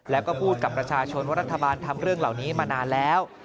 แล้วก็พูดกับประชาชนว่ารัฐบาลทำเรื่องเหล่านี้มานานแล้ว